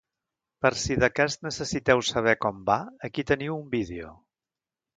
Per si de cas necessiteu saber com va, aquí teniu un vídeo.